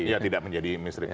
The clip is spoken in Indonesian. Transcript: ya tidak menjadi misteri